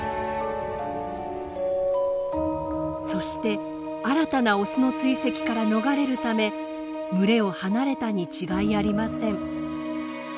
そして新たなオスの追跡から逃れるため群れを離れたに違いありません。